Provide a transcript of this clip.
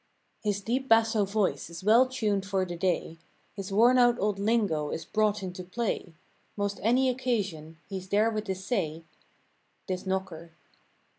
His deep basso voice is well tuned for the day; His wornout old lingo is brought into play; Most any occasion—he's there with his say— This knocker.